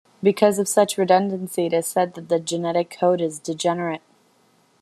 Because of such redundancy it is said that the genetic code is degenerate.